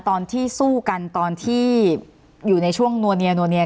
ตอนที่สู้กันตอนที่อยู่ในช่วงนัวเนียนัวเนีย